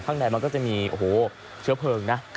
ข้างในมันก็จะมีเหลือเพลิงนะ